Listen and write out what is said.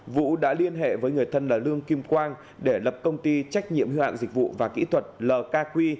vũ đã liên hệ với người thân là lương kim quang để lập công ty trách nhiệm hữu hạn dịch vụ và kỹ thuật lkq